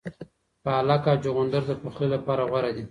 پالک او چغندر د پخلي لپاره غوره دي.